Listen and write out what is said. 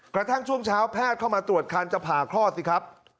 กระทั่งช่วงเช้าแพทย์เข้ามาตรวจคันจะผ่าคลอดสิครับ